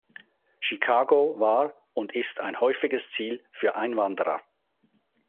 Chicago war und ist ein häufiges Ziel für Einwanderer.